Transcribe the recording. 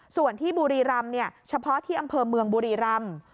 ส่วนที่บุรีรำเฉพาะที่อำเภอเมืองบุรีรำ